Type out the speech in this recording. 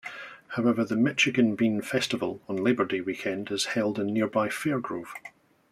However, the "Michigan Bean Festival" on Labor Day weekend is held in nearby Fairgrove.